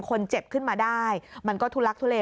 คนเจ็บขึ้นมาได้มันก็ทุลักทุเล